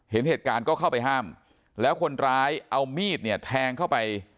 เห็นเหตุการณ์ก็เข้าไปห้ามแล้วคนร้ายเอามีดเนี่ยแทงเข้าไป